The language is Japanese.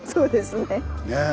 ねえ。